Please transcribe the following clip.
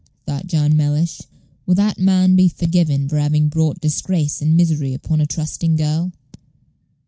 thought John Mellish; "will that man be forgiven for having brought disgrace and misery upon a trusting girl?"